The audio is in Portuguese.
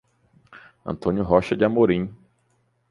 Antônio Rocha de Amorim